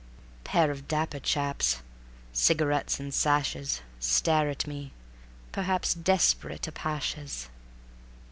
Pair of dapper chaps, Cigarettes and sashes, Stare at me, perhaps Desperate Apachès.